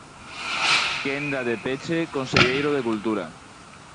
Quenda de peche, conselleiro de Cultura.